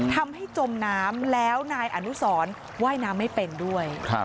จมน้ำแล้วนายอนุสรว่ายน้ำไม่เป็นด้วย